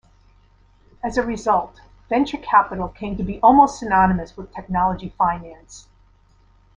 As a result, venture capital came to be almost synonymous with technology finance.